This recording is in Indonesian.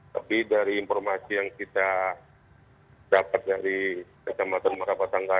tapi dari informasi yang kita dapat dari kecamatan merapat tangga